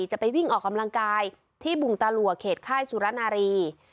จะไปวิ่งออกกำลังกายที่บุงตาหลัวเขตค่ายสุรนารี